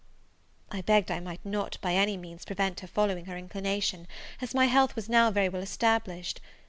I begged I might not, by any means, prevent her following her inclination, as my health was now very well established.